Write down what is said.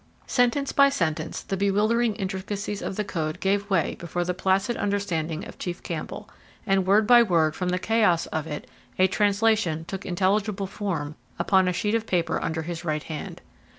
Sentence by sentence the bewildering intricacies of the code gave way before the placid understanding of Chief Campbell, and word by word, from the chaos of it, a translation took intelligible form upon a sheet of paper under his right hand.